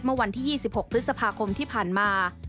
เมื่อวันที่๒๖พฤษภาคมที่ผ่านมา